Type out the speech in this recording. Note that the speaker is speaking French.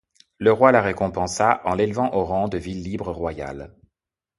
Le roi la récompensa en l'élevant au rang de ville libre royale.